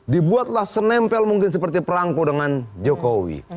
dibuatlah senempel mungkin seperti perangko dengan jokowi